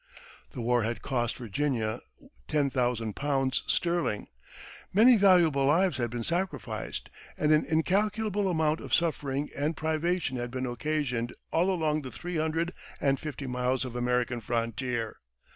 The war had cost Virginia £10,000 sterling, many valuable lives had been sacrificed, and an incalculable amount of suffering and privation had been occasioned all along the three hundred and fifty miles of American frontier.